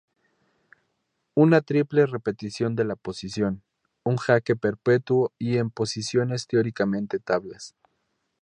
Una triple repetición de la posición, un jaque perpetuo y en posiciones teóricamente tablas.